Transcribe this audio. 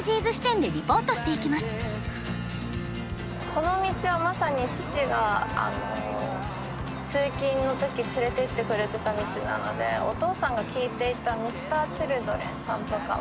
この道はまさに父が通勤の時連れていってくれてた道なのでお父さんが聴いていたＭｒ．Ｃｈｉｌｄｒｅｎさんとかは。